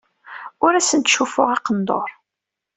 Ur asen-ttcuffuɣ aqendur.